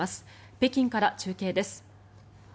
北京から中継です。